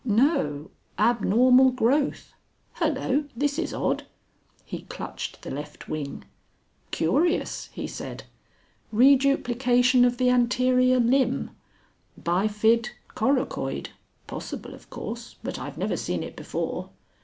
"No! abnormal growth. Hullo! This is odd!" He clutched the left wing. "Curious," he said. "Reduplication of the anterior limb bifid coracoid. Possible, of course, but I've never seen it before."